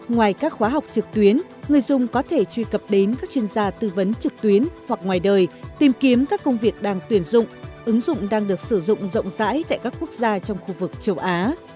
ngoài các khóa học trực tuyến người dùng có thể truy cập đến các chuyên gia tư vấn trực tuyến hoặc ngoài đời tìm kiếm các công việc đang tuyển dụng ứng dụng đang được sử dụng rộng rãi tại các quốc gia trong khu vực châu á